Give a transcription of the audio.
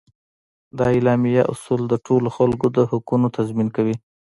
د اعلامیه اصول د ټولو خلکو د حقوقو تضمین کوي.